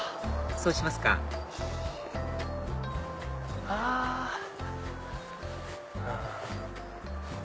そうしますかはぁ！